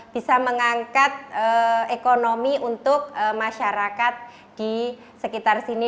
bisa mengangkat ekonomi untuk masyarakat di sekitar sini